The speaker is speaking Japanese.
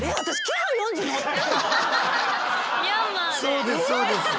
そうですそうです。